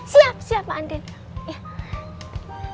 siap siap mbak andin